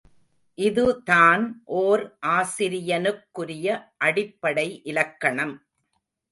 இதுதான் ஓர் ஆசிரியனுக்குரிய அடிப்படை இலக்கணம்.